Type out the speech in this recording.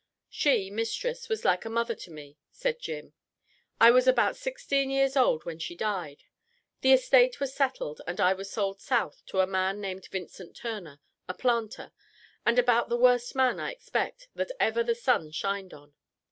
"She (mistress) was like a mother to me," said Jim. "I was about sixteen years old when she died; the estate was settled and I was sold South to a man named Vincent Turner, a planter, and about the worst man, I expect, that ever the sun shined on.